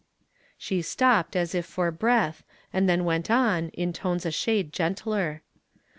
She stopped as if for breath, nud then went on in tones a shade gentler.